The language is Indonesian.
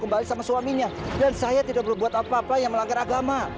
bangin si rusin sekarang